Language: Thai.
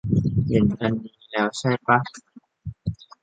เห็นอันนี้แล้วใช่ป่ะ